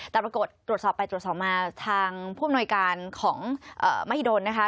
แต่ปรากฏตรวจสอบไปตรวจสอบมาทางผู้อำนวยการของมหิดลนะคะ